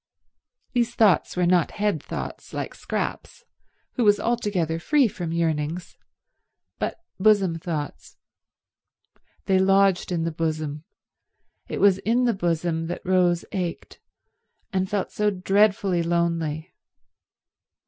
These thoughts were not head thoughts, like Scrap's, who was altogether free from yearnings, but bosom thoughts. They lodged in the bosom; it was in the bosom that Rose ached, and felt so dreadfully lonely.